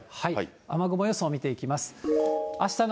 雨雲予想見ていきます。